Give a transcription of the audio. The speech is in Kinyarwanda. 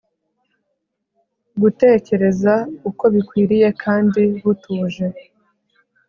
gutekereza uko bikwiriye kandi butuje